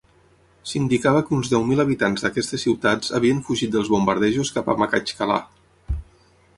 S'indicava que uns deu mil habitants d'aquestes ciutats havien fugit dels bombardejos cap a Makhatxkalà.